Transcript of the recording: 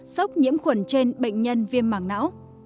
sốc nhiễm khuẩn trên bệnh nhân viêm mảng não